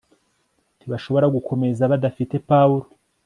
ntibashobora gukomeza badafite pawulo